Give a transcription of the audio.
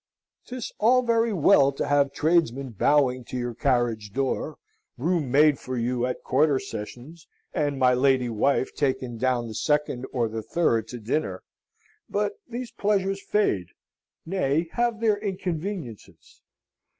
'Tis all very well to have tradesmen bowing to your carriage door, room made for you at quarter sessions, and my lady wife taken down the second or the third to dinner: but these pleasures fade nay, have their inconveniences.